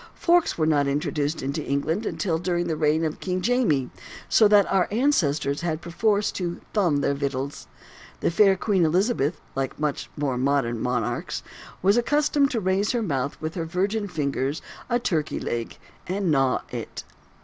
Forks were not introduced into England until during the reign of King "Jamie": so that our ancestors had perforce to "thumb" their victuals. The fair Queen Elizabeth (like much more modern monarchs) was accustomed to raise to her mouth with her virgin fingers a turkey leg and gnaw it.